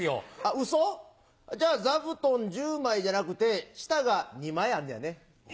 ウソ？じゃ座布団１０枚じゃなくて舌が２枚あんねやね。